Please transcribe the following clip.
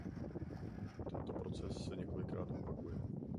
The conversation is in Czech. Tento proces se několikrát opakuje.